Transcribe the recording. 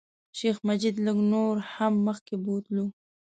شیخ مجید لږ نور هم مخکې بوتلو.